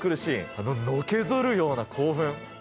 あののけ反るような興奮！